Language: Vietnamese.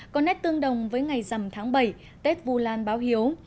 có nét tương đồng với ngày dằm tháng bảy tết vu lan báo hiếu